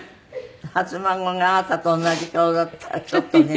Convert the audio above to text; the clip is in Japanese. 初孫があなたと同じ顔だったらちょっとねって。